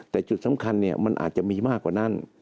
แต่จุดสำคัญมันอาจจะมีมากกว่านั้น